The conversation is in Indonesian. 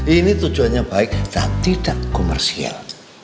ini tujuannya baik dan tidak komersial